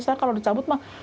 saya kalau dicabut mah